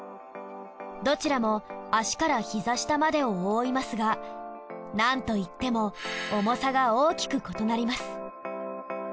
どちらも足からひざ下までを覆いますがなんといっても重さが大きく異なります。